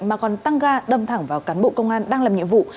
mà còn tăng ga đâm thẳng vào cán bộ công an đang làm nhiệm vụ